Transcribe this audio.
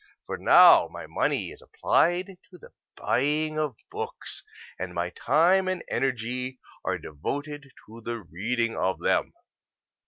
For now my money is applied to the buying of books, and my time and energy are devoted to the reading of them.